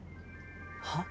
はっ？